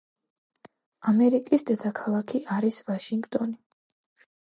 ამერიკის დედაქალაქი არის ვაშინგტონი